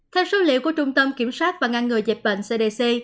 theo số liệu của trung tâm kiểm soát và ngăn ngừa dịch bệnh cdc